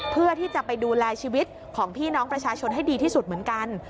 เพื่อที่จะไปดูแลชีวิตของพี่น้องประชาชนให้ดีที่สุดเหมือนกัน